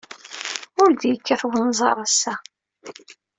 Ur d-yekkat wenẓar ass-a.